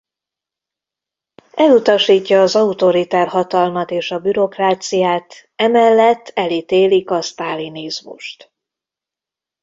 Elutasítja az autoriter hatalmat és a bürokráciát emellett elítélik a sztálinizmust.